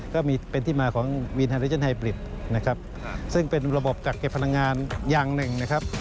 ก็เป็นที่มาของวินไฮดรอเจนไฮบริดซึ่งเป็นระบบจักรเก็บพลังงานอย่างหนึ่ง